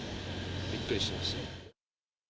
びっくりしました。